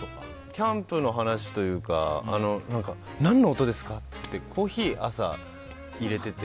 キャンプの話というか何の音ですかってコーヒー、朝いれてて。